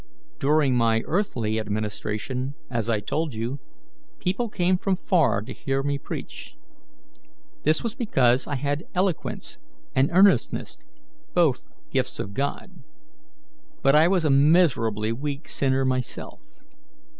"During my earthly administration, as I told you, people came from far to hear me preach. This was because I had eloquence and earnestness, both gifts of God. But I was a miserably weak sinner myself.